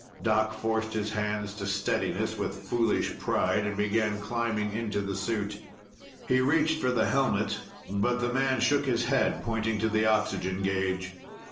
Doc forced his hands to steadiness with foolish pride and began climbing into the suit. He reached for the helmet, but the man shook his head, pointing to the oxygen gauge.